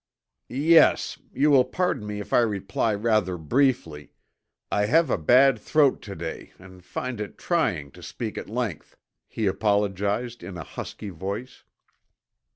"Yes. You will pardon me if I reply rather briefly. I have a bad throat to day and find it trying to speak at length," he apologized in a husky voice.